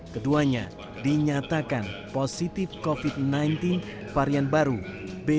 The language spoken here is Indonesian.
keduanya dinyatakan positif covid sembilan belas varian baru b satu